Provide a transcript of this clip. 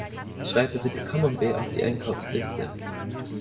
Schreibe bitte Camembert auf die Einkaufsliste.